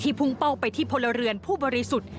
พุ่งเป้าไปที่พลเรือนผู้บริสุทธิ์